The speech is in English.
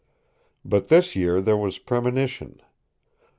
But this year there was premonition.